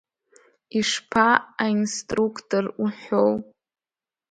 Ишԥа, аинструқтор уҳәоу?